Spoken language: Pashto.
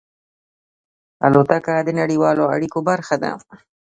الوتکه د نړیوالو اړیکو برخه ده.